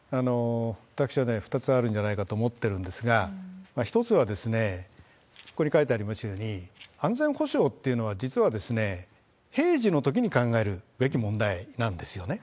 私はね、２つあるんじゃないかと思ってるんですが、１つは、ここに書いてありますように、安全保障というのは、実は、平時のときに考えるべき問題なんですよね。